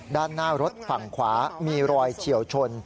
ด้านหน้ารถฝั่งขวามีรอยเฉียวชน